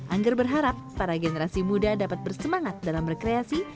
angger berharap para generasi muda dapat bersemangat dalam berkreasi